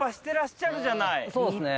そうですね。